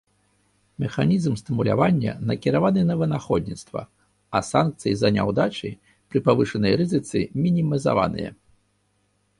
Механізм стымулявання накіраваны на вынаходніцтва, а санкцыі за няўдачы пры павышанай рызыцы мінімізаваныя.